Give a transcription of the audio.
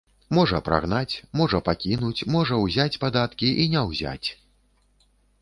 Можа прагнаць, можа пакінуць, можа ўзяць падаткі і не ўзяць.